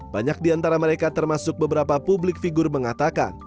banyak diantara mereka termasuk beberapa publik figur mengatakan